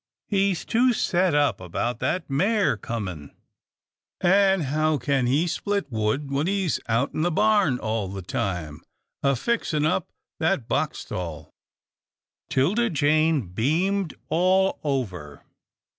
He's too set up about that mare comin' — an' how can he split wood when he's out in the barn all the time, a fixing up that box stall?" 'Tilda Jane beamed all over.